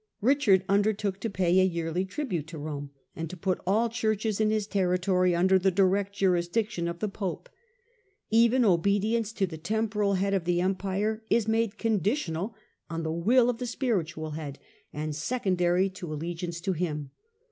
Richard undertook to pay a yearly tribute to Rome, and to put all churches in his territory under the direct jurisdiction of the pope. Even obedience to the temporal head of the empire is made conditional on the will of the spiritual head, and secondary to allegiance to him.